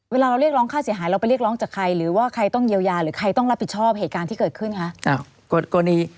เวลาเราเรียกร้องค่าเสียหายเราไปเรียกร้องจากใครหรือว่าใครต้องเยียวยาหรือใครต้องรับผิดชอบเหตุการณ์ที่เกิดขึ้นคะ